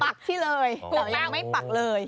ปากพี่เลยเดี๋ยวยังไม่ปากเลย